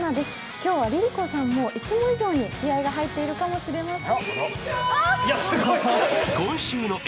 今日はＬｉＬｉＣｏさんもいつも以上に気合いが入っているかもしれません。